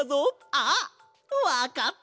あっわかったぞ！